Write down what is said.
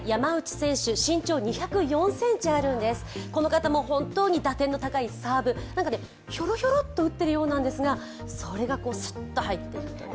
山内選手も本当に打点の高いサーブ、ひょろひょろと打ってるようなんですが、それがスッと入っていく。